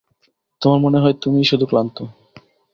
তোমার মনে হয় তুমিই শুধু ক্লান্ত?